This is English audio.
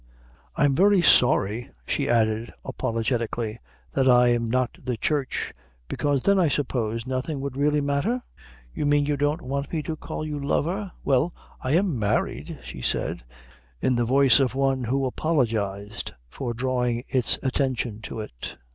I'm very sorry," she added apologetically, "that I'm not the Church because then I suppose nothing would really matter?" "You mean you don't want me to call you lover?" "Well, I am married," she said, in the voice of one who apologised for drawing his attention to it.